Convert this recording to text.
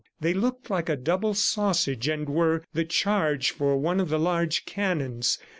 They looked like a double sausage and were the charge for one of the large cannons.